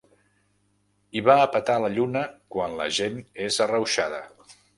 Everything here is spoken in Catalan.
Hi va a petar la lluna quan la gent és arrauxada.